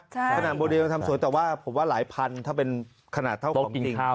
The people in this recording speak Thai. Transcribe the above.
ใช่แต่ว่าผมว่าหลายพันถ้าเป็นขนาดเท่าของจริงโต๊ะกินข้าว